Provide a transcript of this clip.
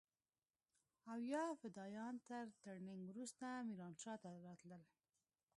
او يا فدايان تر ټرېننگ وروسته ميرانشاه ته راتلل.